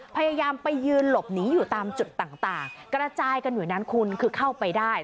พยายามไปยืนหลบหนีอยู่ตามจุดต่างกระจายกันอยู่นั้นคุณคือเข้าไปได้